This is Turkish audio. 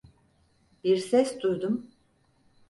Bir ses duydum.